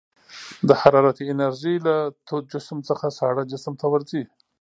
د حرارتي انرژي له تود جسم څخه ساړه جسم ته ورځي.